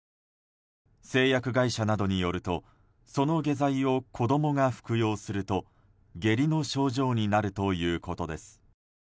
製薬会社などによるとその下剤を子供が服用すると下痢の症状になるということです。